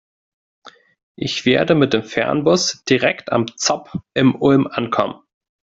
Ich werde mit dem Fernbus direkt am ZOB in Ulm ankommen.